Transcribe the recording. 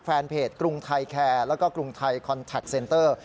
แฟนเพจกรุงไทยแคร์แล้วก็กรุงไทยคอนแท็กเซ็นเตอร์